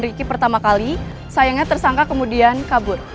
riki pertama kali sayangnya tersangka kemudian kabur